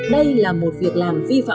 đây là một việc làm vi phạm